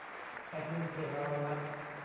แอดมินเพจ เรารัก